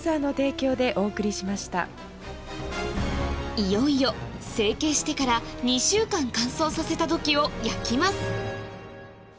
いよいよ成形してから２週間乾燥させた土器を焼きます